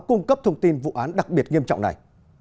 cung cấp thông tin vụ án đặc biệt nghiêm trọng này